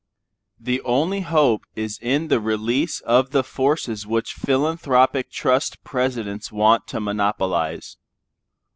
The only hope is in the release of the forces which philanthropic trust presidents want to monopolize.